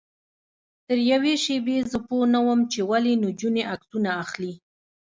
تر یوې شېبې زه پوی نه وم چې ولې نجونې عکسونه اخلي.